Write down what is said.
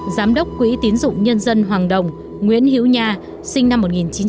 giám đốc quỹ tiến dụng nhân dân hoàng đồng nguyễn hiếu nha sinh năm một nghìn chín trăm năm mươi năm